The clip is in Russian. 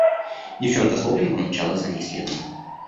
Девчонка с воплем помчалась за ней следом.